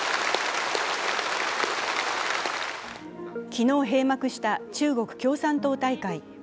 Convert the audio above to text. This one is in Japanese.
昨日閉幕した中国共産党大会。